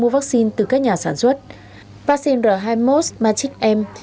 vắc xin r hai mươi một magic m